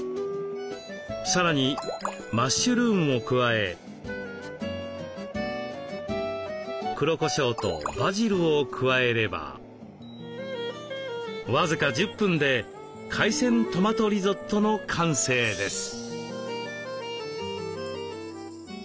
さらにマッシュルームも加え黒こしょうとバジルを加えれば僅か１０分で海鮮トマトリゾットの完成です。